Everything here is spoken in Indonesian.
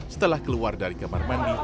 setelah keluar dari kamar mandi